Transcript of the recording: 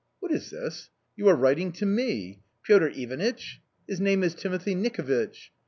What is this ? You are writing to me. ' Piotr Ivanitch !' His name is Timothy Nikovitch.